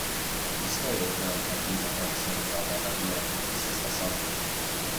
Jista' jgħid kemm hemm ħaddiema ta' nazzjonalità barranija jaħdmu fl-istess qasam?